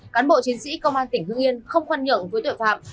cán bộ chiến sĩ công an tỉnh hương yên không khoan nhượng với tội phạm